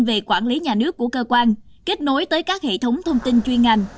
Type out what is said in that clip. về quản lý nhà nước của cơ quan kết nối tới các hệ thống thông tin chuyên ngành